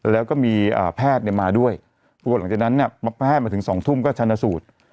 แล้วก็มีแพทย์มาด้วยปรากฏหลังจากนั้นเนี่ยแพทย์มาถึง๒ทุ่มก็ชันสูตร